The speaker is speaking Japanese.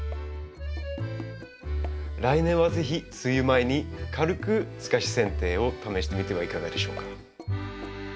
来年は是非梅雨前に軽く透かしせん定を試してみてはいかがでしょうか？